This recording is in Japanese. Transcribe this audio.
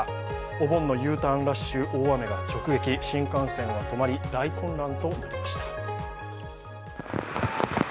お盆のＵターンラッシュ、大雨が直撃、新幹線は止まり、大混乱となりました。